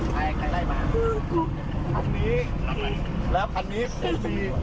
แล้วคันนี้ผมมีผมมีเห็นไง